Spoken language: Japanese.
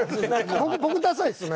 僕ダサいですね。